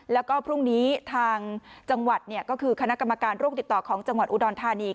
แล้วก็พรุ่งนี้ทางจังหวัดก็คือคณะกรรมการโรคติดต่อของจังหวัดอุดรธานี